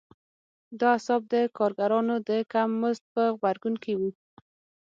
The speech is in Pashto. دا اعتصاب د کارګرانو د کم مزد په غبرګون کې و.